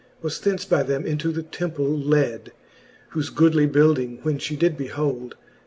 Was thence by them into the temple led ; Whofe goodly building when fhe did behold.